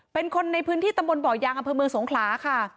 เป็นคนในพื้นที่ตำบลบ่อยางอำเภอเมืองสงขลาค่ะ